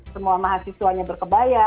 semua mahasiswanya berkebaya